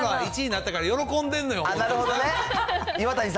１位になったから喜んでんのよ、大友さん。